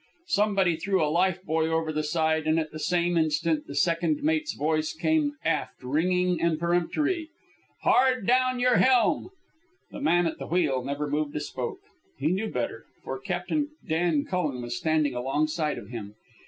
Somebody threw a life buoy over the side, and at the same instant the second mate's voice came aft, ringing and peremptory "Hard down your helm!" The man at the wheel never moved a spoke. He knew better, for Captain Dan Cullen was standing alongside of him.